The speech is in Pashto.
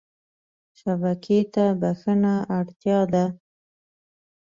شبکې ته بښنه اړتیا ده.